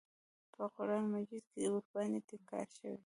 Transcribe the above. په قران مجید کې ورباندې ټینګار شوی.